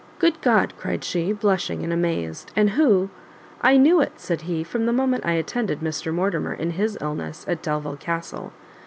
"Good God!" cried she, blushing and much amazed; "and who" "I knew it," said he, "from the moment I attended Mr Mortimer in his illness at Delvile Castle.